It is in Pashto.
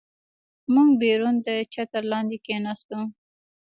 موږ بیرون د چتر لاندې کېناستو.